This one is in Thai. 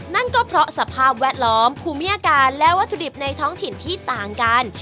นั่นก็เพราะสภาพแวดล้อมภูมิยาการและวัตถุดิบในท้องถิ่นที่ต่างกัน